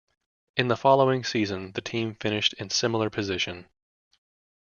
In the following season, the team finished in similar position.